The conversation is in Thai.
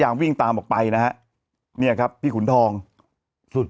ยังไงยังไงยังไงยังไง